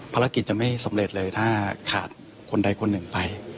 ภารกิจจะไม่สำเร็จเลยถ้าขาดคนใดคนหนึ่งไป